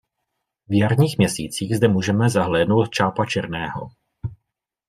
V jarních měsících zde můžeme zahlédnout čápa černého.